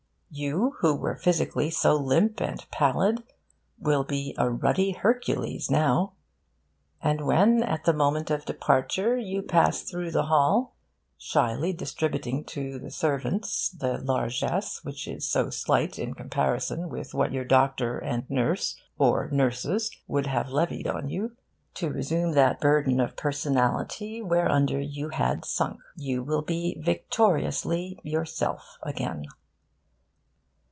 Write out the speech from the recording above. You, who were physically so limp and pallid, will be a ruddy Hercules now. And when, at the moment of departure, you pass through the hall, shyly distributing to the servants that largesse which is so slight in comparison with what your doctor and nurse (or nurses) would have levied on you, you will feel that you are more than fit to resume that burden of personality whereunder you had sunk. You will be victoriously yourself again.